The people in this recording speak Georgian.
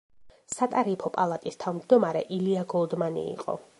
სატარიფო პალატის თავმჯდომარე ილია გოლდმანი იყო.